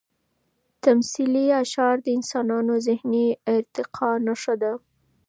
تمثیلي اشعار د انسانانو د ذهني ارتقا نښه ده.